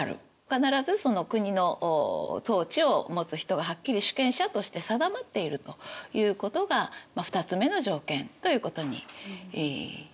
必ずその国の統治を持つ人がはっきり主権者として定まっているということが２つ目の条件ということになります。